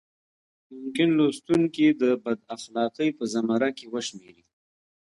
ممکن لوستونکي د بد اخلاقۍ په زمره کې وشمېري.